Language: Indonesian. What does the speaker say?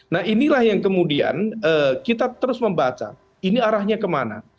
nah inilah yang kemudian kita terus membaca ini arahnya kemana